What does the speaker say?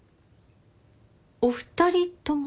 お二人とも？